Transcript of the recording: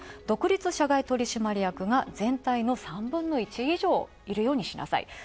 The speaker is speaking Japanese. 独立社外取締役が全体の３分の１以上いるようにしなさい。